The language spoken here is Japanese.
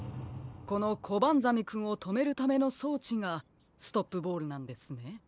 このコバンザメくんをとめるためのそうちがストップボールなんですね。